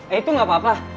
eh itu gak apa apa